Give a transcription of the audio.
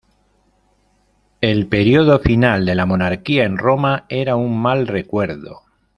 El período final de la monarquía en Roma era un mal recuerdo.